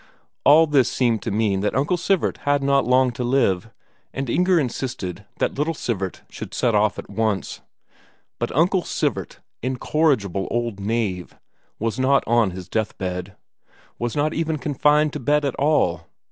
All this seemed to mean that Uncle Sivert had not long to live, and Inger insisted that little Sivert should set off at once. But Uncle Sivert, incorrigible old knave, was not on his death bed; was not even confined to bed at all.